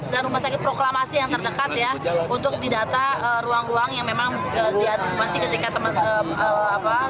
dan rumah sakit proklamasi yang terdekat ya untuk didata ruang ruang yang memang diantisipasi ketika teman teman